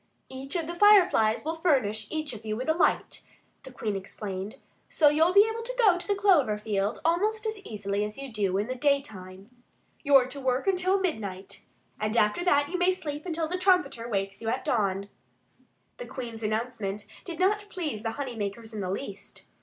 "Each of the Fireflies will furnish each of you with a light," the Queen explained, "so you'll be able to go to the clover field almost as easily as you do in the daytime. You're to work until midnight. And after that you may sleep until the trumpeter wakes you at dawn." The Queen's announcement did not please the honey makers in the least.